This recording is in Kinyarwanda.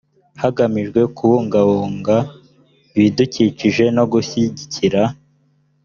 hagamijwe kubungabunga ibidukikije no gushyigikira